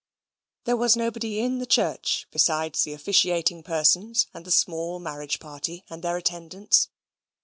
There was nobody in the church besides the officiating persons and the small marriage party and their attendants.